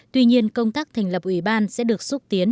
tuy nhiên công tác thành lập ủy ban sẽ được xúc tiến